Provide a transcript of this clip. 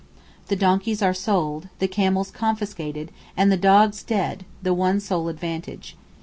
The donkeys are sold, the camels confiscated, and the dogs dead (the one sole advantage).